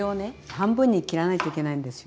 半分に切らないといけないんですよ。